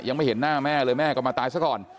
ยังไม่เห็นหน้าแม่เลยแม่ก็มาตายซะก่อน